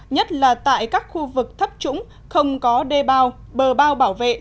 nhất là tại các khu vực thấp trũng không có đề bao bờ bao bảo vệ